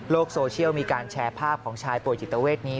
โซเชียลมีการแชร์ภาพของชายป่วยจิตเวทนี้